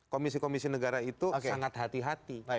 komisi komisi negara itu sangat hati hati